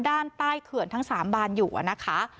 ด้านใต้เขื่อนทั้ง๓บานอยู่นะคะ